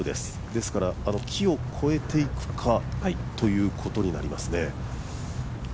ですから木を越えていくかということになりますね。